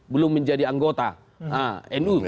belum menjadi anggota nu